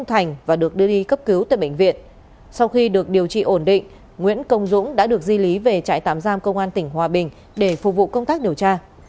trước khi được điều trị ổn định nguyễn công dũng đã được di lý về trại tạm giam công an tỉnh hòa bình để phục vụ công tác điều tra